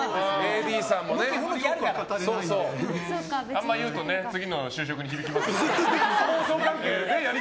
あまり言うと次の就職に響きますから。